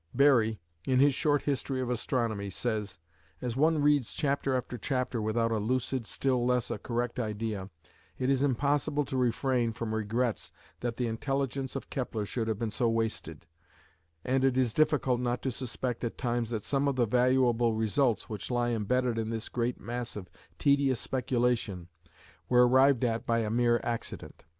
Berry, in his "Short History of Astronomy," says "as one reads chapter after chapter without a lucid, still less a correct idea, it is impossible to refrain from regrets that the intelligence of Kepler should have been so wasted, and it is difficult not to suspect at times that some of the valuable results which lie embedded in this great mass of tedious speculation were arrived at by a mere accident.